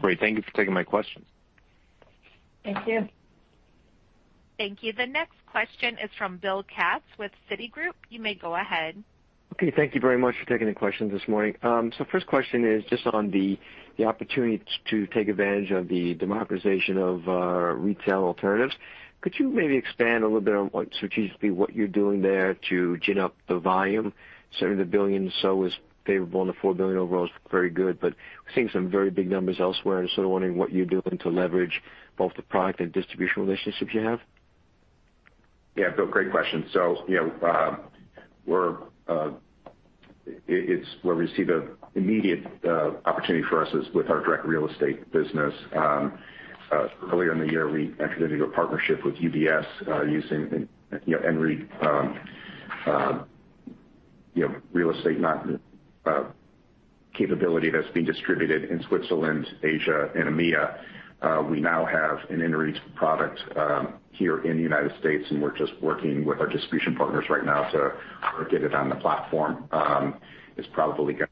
Great. Thank you for taking my questions. Thank you. Thank you. The next question is from Bill Katz with Citigroup. You may go ahead. Okay. Thank you very much for taking the question this morning. First question is just on the opportunity to take advantage of the democratization of retail alternatives. Could you maybe expand a little bit on what strategically you're doing there to gin up the volume, serving the 1 billion or so is favorable, and the 4 billion overall is very good, but we're seeing some very big numbers elsewhere and sort of wondering what you're doing to leverage both the product and distribution relationships you have. Yeah. Bill, great question. You know, it's where we see the immediate opportunity for us is with our direct real estate business. Earlier in the year, we entered into a partnership with UBS using you know INREIT you know capability that's being distributed in Switzerland, Asia and EMEA. We now have an INREIT product here in the United States, and we're just working with our distribution partners right now to get it on the platform. It's probably got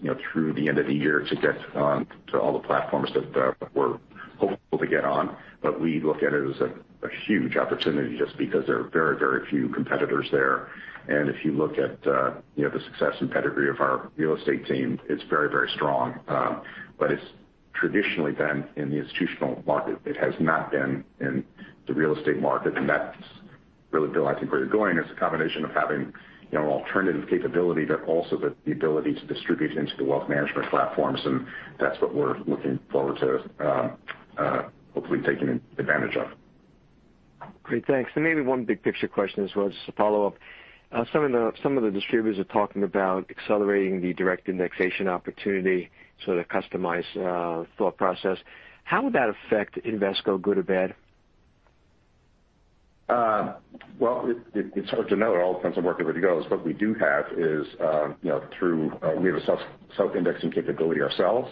you know through the end of the year to get on to all the platforms that we're hopeful to get on. We look at it as a huge opportunity just because there are very few competitors there. If you look at, you know, the success and pedigree of our real estate team, it's very, very strong. It's traditionally been in the institutional market. It has not been in the real estate market. That's really, Bill, I think, where you're going. It's a combination of having, you know, alternative capability, but also the ability to distribute into the wealth management platforms. That's what we're looking forward to, hopefully taking advantage of. Great. Thanks. Maybe one big picture question as well, just to follow up. Some of the distributors are talking about accelerating the direct indexation opportunity, so to customize thought process. How would that affect Invesco, good or bad? Well, it's hard to know. It all depends on where everybody goes. What we do have is, you know, we have a self-indexing capability ourselves.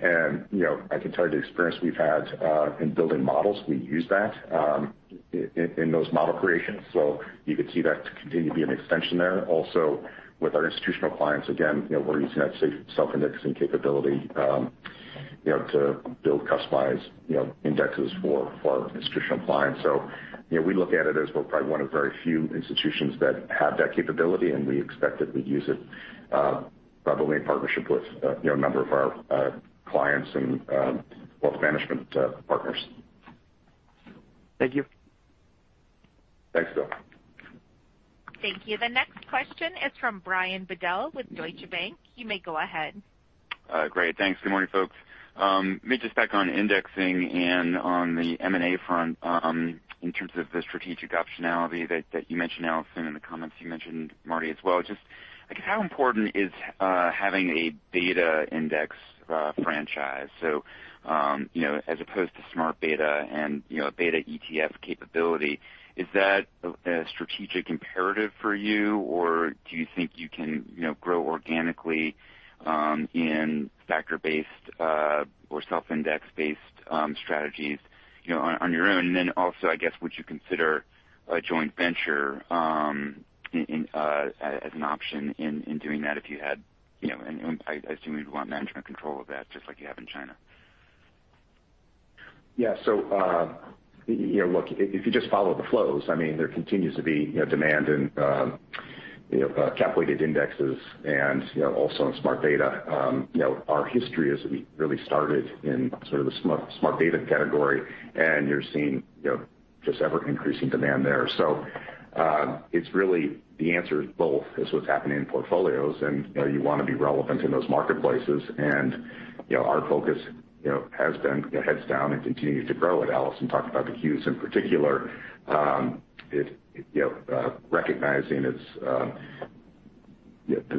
You know, I can tell you the experience we've had in building models, we use that in those model creations, so you could see that to continue to be an extension there. Also with our institutional clients, again, you know, we're using that same self-indexing capability, you know, to build customized, you know, indexes for institutional clients. You know, we look at it as we're probably one of very few institutions that have that capability, and we expect that we'd use it, probably in partnership with, you know, a number of our clients and wealth management partners. Thank you. Thanks, Bill. Thank you. The next question is from Brian Bedell with Deutsche Bank. You may go ahead. Great. Thanks. Good morning, folks. Maybe just back on indexing and on the M&A front, in terms of the strategic optionality that you mentioned, Allison, in the comments you mentioned, Marty, as well. Just, I guess, how important is having a beta index franchise? So, you know, as opposed to smart beta and, you know, a beta ETF capability, is that a strategic imperative for you, or do you think you can, you know, grow organically in factor-based or self-index based strategies, you know, on your own? And then also, I guess, would you consider a joint venture as an option in doing that if you had, you know, I assume you'd want management control of that just like you have in China. Yeah. You know, look, if you just follow the flows, I mean, there continues to be, you know, demand in, you know, cap weighted indexes and, you know, also in smart beta. You know, our history is we really started in sort of a smart beta category, and you're seeing, you know, just ever increasing demand there. It's really the answer is both. It's what's happening in portfolios, and, you know, you want to be relevant in those marketplaces. You know, our focus, you know, has been heads down and continues to grow. Allison talked about the Qs in particular, recognizing it's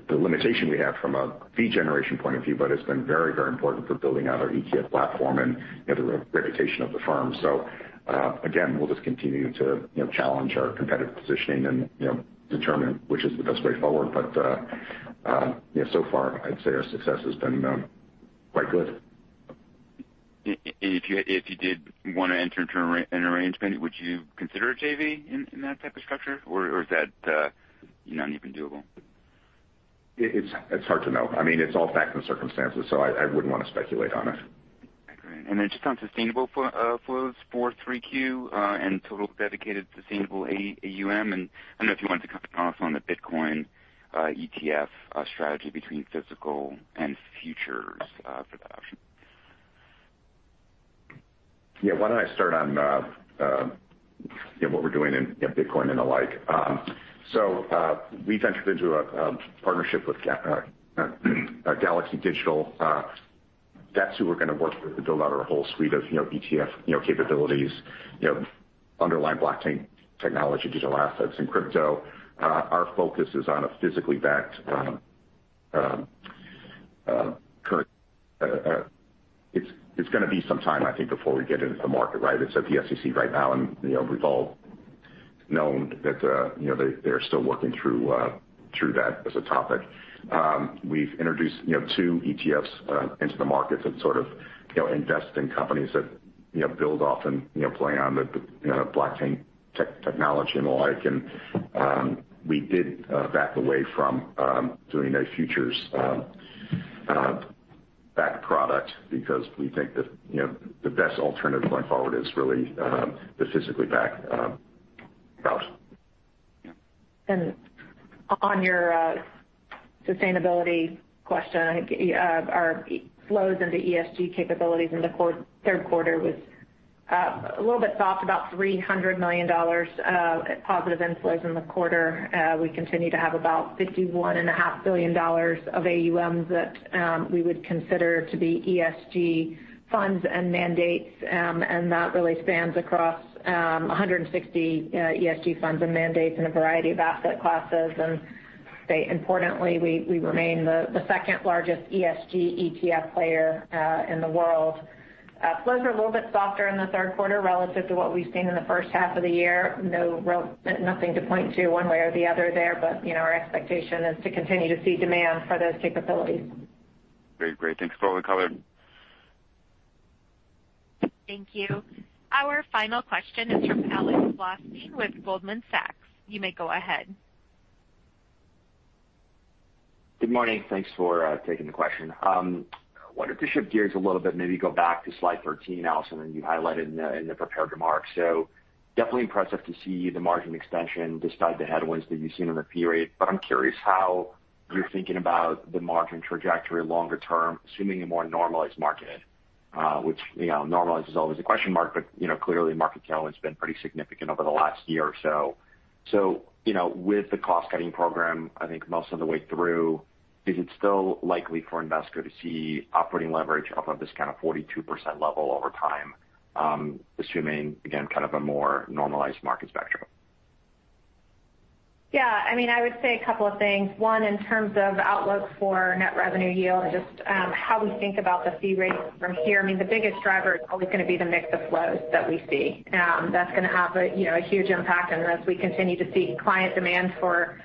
the limitation we have from a fee generation point of view, but it's been very, very important for building out our ETF platform and the reputation of the firm. Again, we'll just continue to, you know, challenge our competitive positioning and, you know, determine which is the best way forward. You know, so far I'd say our success has been quite good. If you did wanna enter into an arrangement, would you consider a JV in that type of structure or is that not even doable? It's hard to know. I mean, it's all facts and circumstances, so I wouldn't wanna speculate on it. I agree. Just on sustainable fund flows for 3Q, and total dedicated sustainable AUM. I don't know if you wanted to comment also on the Bitcoin ETF strategy between physical and futures for that option. Yeah, why don't I start on you know what we're doing in Bitcoin and the like. We've entered into a partnership with Galaxy Digital. That's who we're gonna work with to build out our whole suite of you know ETF you know capabilities you know underlying blockchain technology, digital assets, and crypto. Our focus is on a physically backed. It's gonna be some time, I think, before we get into the market, right? It's at the SEC right now, and you know we've all known that you know they're still working through that as a topic. We've introduced, you know, two ETFs into the market that sort of, you know, invest in companies that, you know, build off and, you know, play on the blockchain technology and the like. We did back away from doing a futures backed product because we think that, you know, the best alternative going forward is really the physically backed product. On your sustainability question, our flows into ESG capabilities in the third quarter was a little bit soft, about $300 million of positive inflows in the quarter. We continue to have about $51.5 billion of AUM that we would consider to be ESG funds and mandates. That really spans across 160 ESG funds and mandates in a variety of asset classes. I'd say importantly, we remain the second-largest ESG ETF player in the world. Flows are a little bit softer in the third quarter relative to what we've seen in the first half of the year. Nothing to point to one way or the other there, but you know, our expectation is to continue to see demand for those capabilities. Great. Thanks for all the color. Thank you. Our final question is from Alex Blostein with Goldman Sachs. You may go ahead. Good morning. Thanks for taking the question. Wanted to shift gears a little bit, maybe go back to slide 13, Allison, that you highlighted in the prepared remarks. Definitely impressive to see the margin expansion despite the headwinds that you've seen in the period. I'm curious how you're thinking about the margin trajectory longer term, assuming a more normalized market, which, you know, normalized is always a question mark, but, you know, clearly market tail has been pretty significant over the last year or so. You know, with the cost-cutting program, I think most of the way through, is it still likely for an investor to see operating leverage off of this kind of 42% level over time, assuming, again, kind of a more normalized market spectrum? Yeah, I mean, I would say a couple of things. One, in terms of outlook for net revenue yield and just how we think about the fee rates from here, I mean, the biggest driver is always gonna be the mix of flows that we see. That's gonna have a, you know, huge impact. As we continue to see client demand for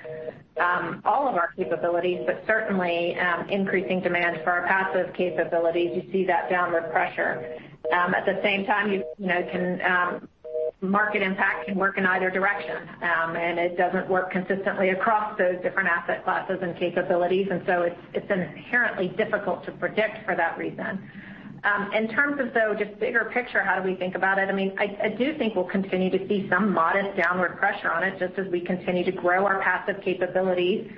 all of our capabilities, but certainly increasing demand for our passive capabilities, you see that downward pressure. At the same time, you know, market impact can work in either direction. It doesn't work consistently across those different asset classes and capabilities. It's inherently difficult to predict for that reason. In terms of though just bigger picture, how do we think about it? I mean, I do think we'll continue to see some modest downward pressure on it just as we continue to grow our passive capabilities,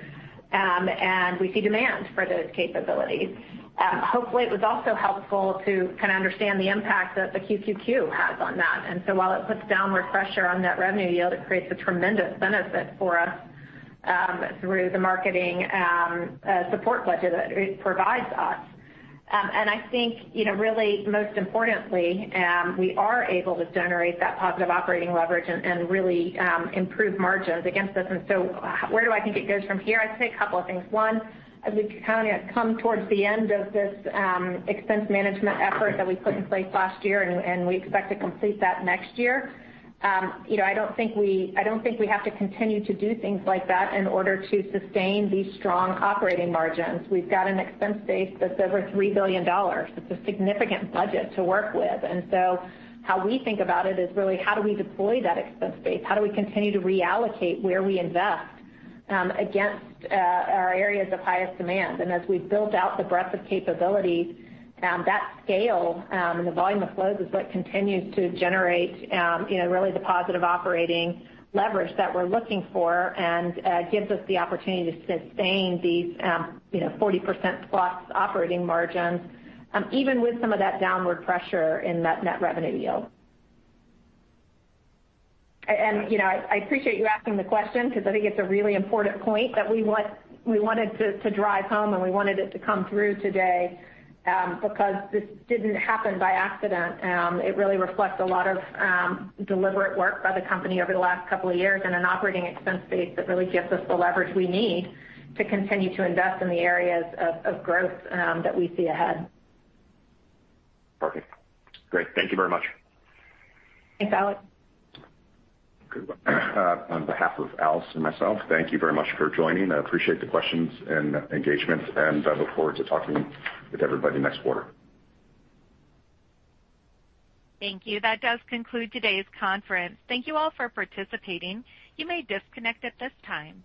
and we see demand for those capabilities. Hopefully it was also helpful to kind of understand the impact that the QQQ has on that. While it puts downward pressure on net revenue yield, it creates a tremendous benefit for us, through the marketing, support budget that it provides us. I think, you know, really most importantly, we are able to generate that positive operating leverage and really, improve margins against this. Where do I think it goes from here? I'd say a couple of things. One, I think the company has come towards the end of this expense management effort that we put in place last year, and we expect to complete that next year. You know, I don't think we have to continue to do things like that in order to sustain these strong operating margins. We've got an expense base that's over $3 billion. It's a significant budget to work with. How we think about it is really how do we deploy that expense base? How do we continue to reallocate where we invest against our areas of highest demand? As we've built out the breadth of capability, that scale, and the volume of flows is what continues to generate, you know, really the positive operating leverage that we're looking for and gives us the opportunity to sustain these, you know, 40% plus operating margins, even with some of that downward pressure in net revenue yield. You know, I appreciate you asking the question because I think it's a really important point that we wanted to drive home, and we wanted it to come through today, because this didn't happen by accident. It really reflects a lot of deliberate work by the company over the last couple of years and an operating expense base that really gives us the leverage we need to continue to invest in the areas of growth that we see ahead. Perfect. Great. Thank you very much. Thanks, Alex. Good one. On behalf of Allison and myself, thank you very much for joining. I appreciate the questions and engagement, and I look forward to talking with everybody next quarter. Thank you. That does conclude today's conference. Thank you all for participating. You may disconnect at this time.